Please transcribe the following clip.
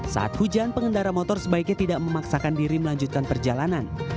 saat hujan pengendara motor sebaiknya tidak memaksakan diri melanjutkan perjalanan